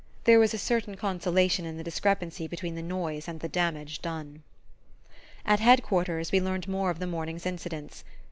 There was a certain consolation in the discrepancy between the noise and the damage done. At Head quarters we learned more of the morning's incidents.